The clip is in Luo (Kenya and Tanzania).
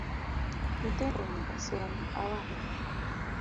Nyithindo nyaka som awada